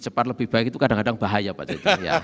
cepat lebih baik itu kadang kadang bahaya pak jokowi